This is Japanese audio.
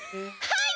はい！